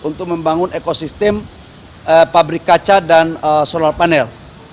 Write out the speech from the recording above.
untuk membangun ekosistem pabrik kaca dan solar panel